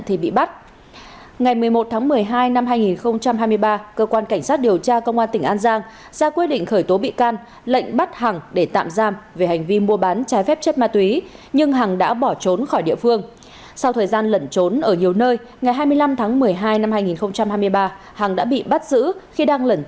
trước đó cơ quan cảnh sát điều tra công an tỉnh thái bình đã ra quyết định khởi tố bị can lệnh bắt bị can lệnh khám xét nơi ở nơi làm việc đoạt tài sản